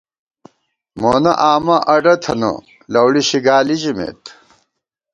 مونہ آمہ اڈہ تھنہ ، لَؤڑی شِگالی ژِمېت